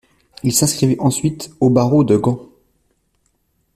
Il s'inscrivit ensuite au barreau de Gand.